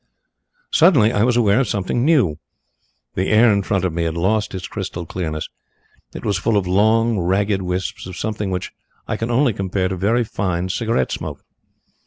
"Suddenly I was aware of something new. The air in front of me had lost its crystal clearness. It was full of long, ragged wisps of something which I can only compare to very fine cigarette smoke.